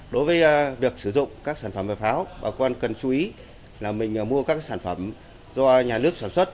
đối với việc sử dụng các sản phẩm về pháo bà con cần chú ý là mình mua các sản phẩm do nhà nước sản xuất